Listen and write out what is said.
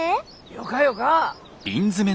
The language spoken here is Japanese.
よかよか。